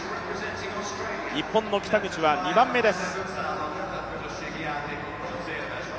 日本の北口は２番目です。